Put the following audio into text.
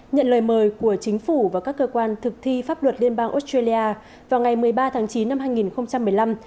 nhận lời mời của chính phủ và các cơ quan thực thi pháp luật liên bang australia vào ngày một mươi ba tháng chín năm hai nghìn một mươi năm